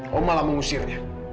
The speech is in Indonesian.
kamu malah mengusirnya